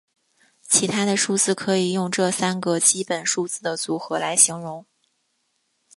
其他的数字可以用这三个基本数字的组合来形容。